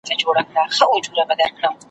یو وخت زما هم برابره زندګي وه `